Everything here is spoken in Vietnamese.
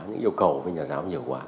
những yêu cầu với nhà giáo nhiều quá